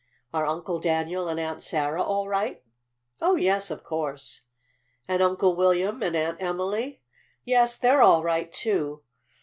"Are Uncle Daniel and Aunt Sarah all right?" "Oh, yes, of course." "And Uncle William and Aunt Emily?" "Yes, they're all right, too.